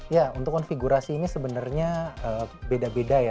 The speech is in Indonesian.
ya untuk konfigurasi ini sebenarnya beda beda ya